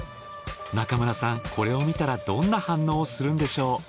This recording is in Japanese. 中村さんこれを見たらどんな反応をするんでしょう？